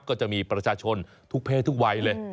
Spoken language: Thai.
ก็จะมีประชาชนทุกเพศทุกวัยเลย